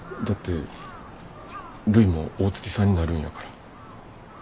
だってるいも大月さんになるんやから。